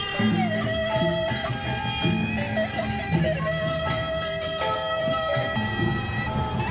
semoga stops bikin kita acara dengan tamu fungsi